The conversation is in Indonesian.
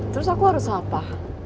terus aku harus apa